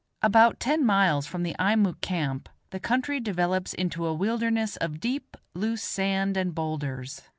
About ten miles from the Eimuek camp, the country develops into a wilderness of deep, loose sand and bowlders.